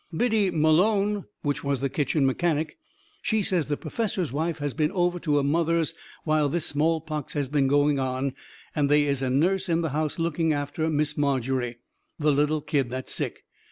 Biddy Malone, which was the kitchen mechanic, she says the perfessor's wife's been over to her mother's while this smallpox has been going on, and they is a nurse in the house looking after Miss Margery, the little kid that's sick.